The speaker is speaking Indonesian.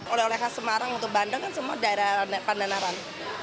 oleh oleh khas semarang untuk bandeng kan semua daerah pandanaran